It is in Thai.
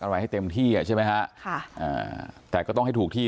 อะไรให้เต็มที่อ่ะใช่ไหมฮะค่ะอ่าแต่ก็ต้องให้ถูกที่